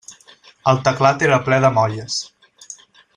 El teclat era ple de molles.